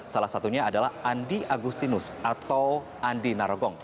salah satunya adalah andi agustinus atau andi narogong